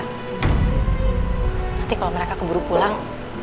nanti kalau mereka keburu pulang